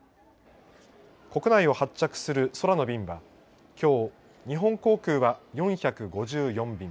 国内を発着する空の便はきょう日本航空は４５４便。